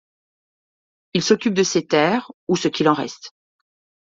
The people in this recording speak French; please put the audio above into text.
Il s’occupe de ses terres ou ce qu'il en reste.